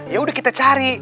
yaudah kita cari